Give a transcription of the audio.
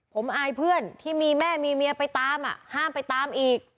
ผมอายเพื่อนที่มีแม่มีเมียไปตามห้ามไปตามอีก